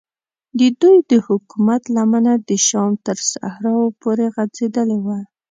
ددوی د حکومت لمنه د شام تر صحراو پورې غځېدلې وه.